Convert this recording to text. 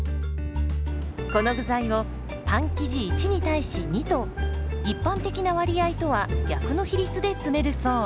この具材をパン生地１に対し２と一般的な割合とは逆の比率で詰めるそう。